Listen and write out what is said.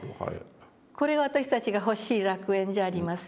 これ私たちが欲しい楽園じゃありませんか。